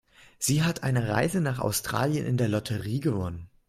Sie hat eine Reise nach Australien in der Lotterie gewonnen.